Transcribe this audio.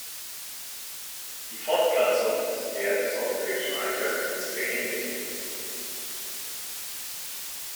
Die Fortpflanzung ist der des Europäischen Eichhörnchens sehr ähnlich.